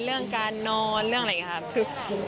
เรื่องการนอนเรื่องอะไรอย่างนี้ค่ะ